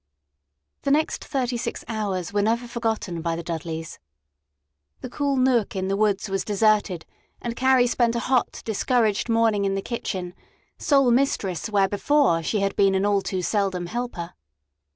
The next thirty six hours were never forgotten by the Dudleys. The cool nook in the woods was deserted, and Carrie spent a hot, discouraged morning in the kitchen sole mistress where before she had been an all too seldom helper.